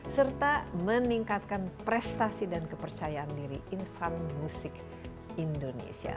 serta meningkatkan prestasi dan kepercayaan diri insan musik indonesia